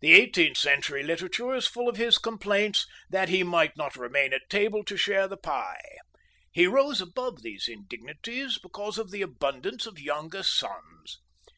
The eighteenth century literature is full of his complaints that he might not remain at table to share the pie. He rose above these indignities because of the abundance of younger sons.